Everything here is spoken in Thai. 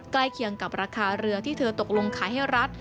เคียงกับราคาเรือที่เธอตกลงขายให้รัฐ